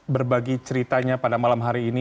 berbagi ceritanya pada malam hari ini